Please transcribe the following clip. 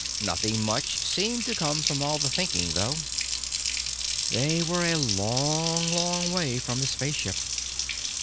Nothing much seemed to come from all the thinking, though. They were a long, long way from the spaceship.